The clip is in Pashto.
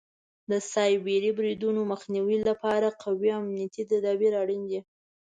د سایبري بریدونو مخنیوي لپاره قوي امنیتي تدابیر اړین دي.